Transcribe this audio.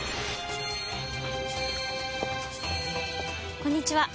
こんにちは。